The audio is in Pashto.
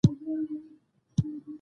کلیمه د مانا انتقال کوي.